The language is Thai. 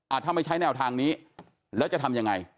ถ้าไม่ใช้แนวทางนี้แล้วจะทำยังไง